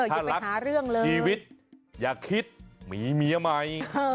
ถ้ารักชีวิตอย่าคิดมีเมียใหม่